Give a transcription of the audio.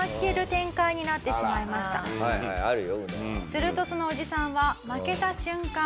するとそのおじさんは負けた瞬間。